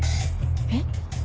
えっ？